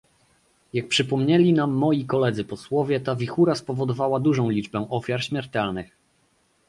Jak przypomnieli nam moi koledzy posłowie, ta wichura spowodowała dużą liczbę ofiar śmiertelnych